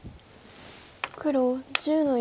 黒１０の一。